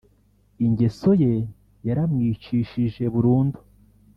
ingeso ye yaramwicishije burundu